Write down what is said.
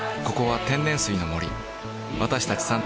ここは天然水の森私たち